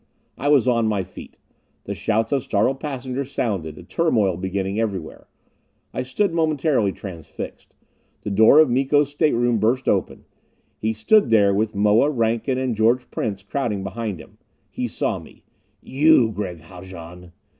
I was on my feet. The shouts of startled passengers sounded, a turmoil beginning everywhere. I stood momentarily transfixed. The door of Miko's stateroom burst open. He stood there, with Moa, Rankin and George Prince crowding behind him. He saw me. "You, Gregg Haljan!"